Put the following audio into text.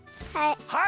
はい！